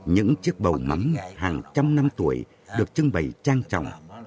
những chiếc bầu mắm hàng trăm năm tuổi được trưng bày trang trọng